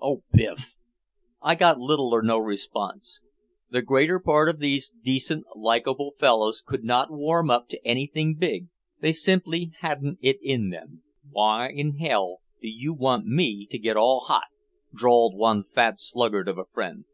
"Oh, biff." I got little or no response. The greater part of these decent likable fellows could not warm up to anything big, they simply hadn't it in them. "Why in hell do you want me to get all hot?" drawled one fat sluggard of a friend.